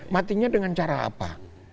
matinya dengan cara apa